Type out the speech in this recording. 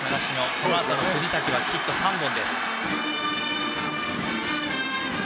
このあとの藤崎はヒット３本。